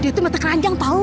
dia tuh mata keranjang tau